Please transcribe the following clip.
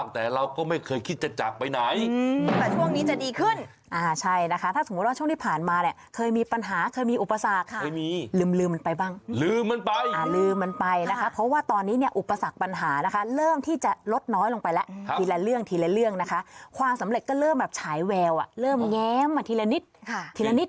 ตอนนี้เนี่ยอุปสรรคปัญหานะคะเริ่มที่จะลดน้อยลงไปแล้วทีละเรื่องทีละเรื่องนะคะความสำเร็จก็เริ่มแบบฉายแววอ่ะเริ่มแง้มอ่ะทีละนิดค่ะทีละนิด